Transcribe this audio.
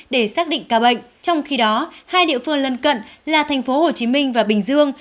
để xác định ca bệnh trong khi đó hai địa phương lân cận là tp hcm và bình dương